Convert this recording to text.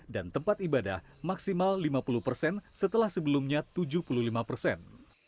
dan tempat ibadah maksimal lima puluh persen setelah sebelumnya tujuh puluh lima persen